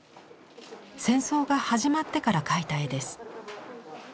戦争が始まってから描いた絵です。